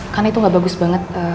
karena itu gak bagus banget